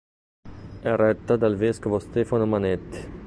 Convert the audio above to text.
È retta dal vescovo Stefano Manetti.